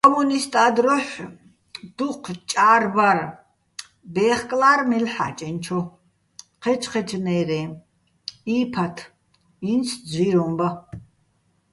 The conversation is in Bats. კო́მუნისტა́ დროჰ̦ დუჴ ჭა́რ ბარ, ბე́ხკლა́რ მელ'ჰ̦ა́ჭენჩო, ჴეჩჴეჩნაჲრეჼ, ი́ფათ, ინც ძვიროჼ ბა.